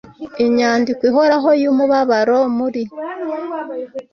Inyandiko ihoraho yumubabaro muri.